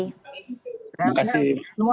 terima kasih semua